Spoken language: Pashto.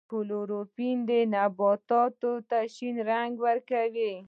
کلوروفیل نباتاتو ته شین رنګ ورکوي